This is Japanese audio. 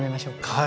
はい。